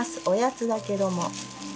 おやつだけども。